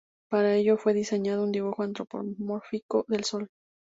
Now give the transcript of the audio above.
Para ello, fue diseñado un dibujo antropomórfico del Sol.